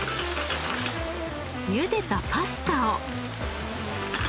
ゆでたパスタを。